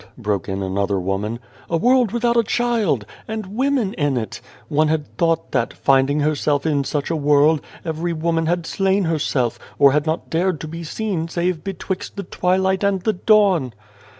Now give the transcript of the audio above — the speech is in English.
broke in another woman. " A world without a child ! And women in it ! One had thought that, finding herself in such a world, every woman had slain herself, or had not dared to be seen save betwixt the twilight and the dawn.